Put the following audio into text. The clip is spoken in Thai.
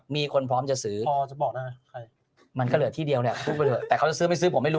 มีคนพร้อมจะซื้อมันก็เหลือที่เดียวเนี่ยพูดไปเถอะแต่เขาจะซื้อไม่ซื้อผมไม่รู้